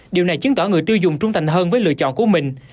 điều này chứng tỏ người tiêu dùng trung thành hơn với lựa chọn của mình